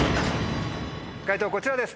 解答こちらです。